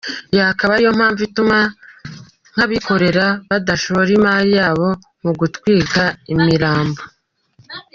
Iyi akaba ari yo mpamvu ituma nk’abikorera badashora imari yabo mu gutwika imirambo.